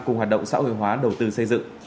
cùng hoạt động xã hội hóa đầu tư xây dựng